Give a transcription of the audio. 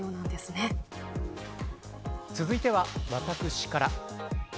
続いては、私から。